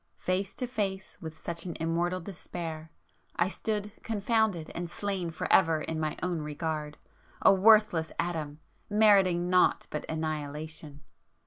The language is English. Face to [p 471] face with such an Immortal Despair, I stood confounded and slain forever in my own regard,—a worthless atom, meriting naught but annihilation.